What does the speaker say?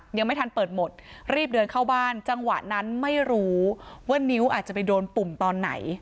ยังไม่ทันเปิดหมดรีบเดินเข้าบ้านจังหวะนั้นไม่รู้ว่านิ้วอาจจะไปโดนปุ่มตอนไหน